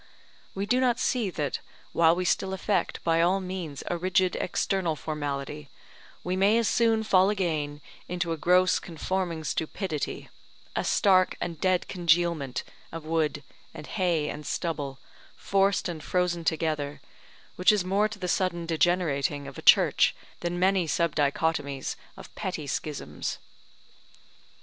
We do not see that, while we still affect by all means a rigid external formality, we may as soon fall again into a gross conforming stupidity, a stark and dead congealment of wood and hay and stubble, forced and frozen together, which is more to the sudden degenerating of a Church than many subdichotomies of petty schisms.